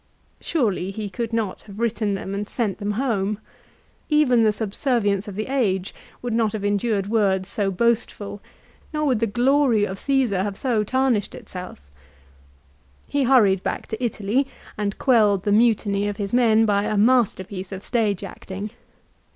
Surely he could not have written them and sent them home ! Even the subservience of the age would not have endured words so boastful, nor would the glory of Csesar have so tarnished itself. He hurried back to Italy and quelled the mutiny of his men by a masterpiece of stage acting.